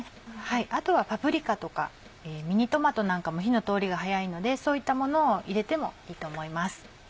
あとはパプリカとかミニトマトなんかも火の通りが早いのでそういったものを入れてもいいと思います。